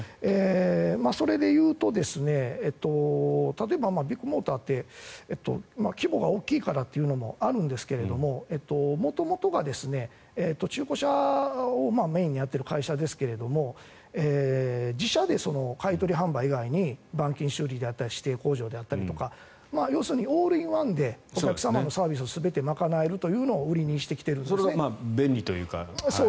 それでいうと、例えばビッグモーターって規模が大きいからというのもあるんですけども元々が中古車をメインにやっている会社ですが自社で買い取り販売以外に板金修理であったり指定工場であったりとかオール・イン・ワンでお客様のサービスを全て賄えるというのをそれが便利というか。